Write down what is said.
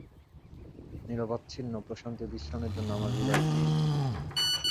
নিরবচ্ছিন্ন প্রশান্তি ও বিশ্রামের জন্য আমার হৃদয় তৃষিত।